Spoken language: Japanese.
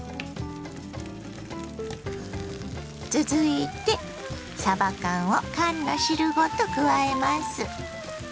続いてさば缶を缶の汁ごと加えます。